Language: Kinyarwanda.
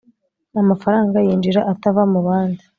amafaranga yinjira atava mu bandi